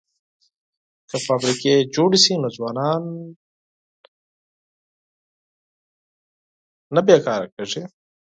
که فابریکې جوړې شي نو ځوانان نه بې کاره کیږي.